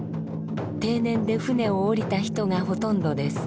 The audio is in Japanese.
定年で船を下りた人がほとんどです。